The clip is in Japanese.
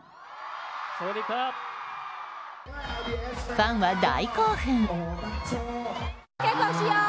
ファンは大興奮。